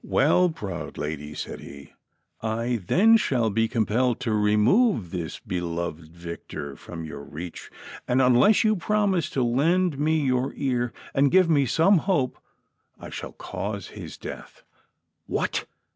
" Well, proud lady," said he, " I then shall be compelled to remove this ' beloved Victor ' from your reach ; and, unless you promise to lend me your ear and give me some hope. I sliall cause his death !"" What